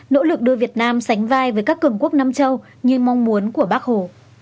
nỗ lực đưa việt nam sánh vai với các cường quốc nam châu như mong muốn của bác hồ